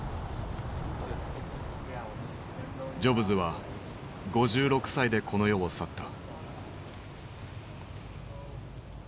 ジョブズは５６歳でこの世を去った。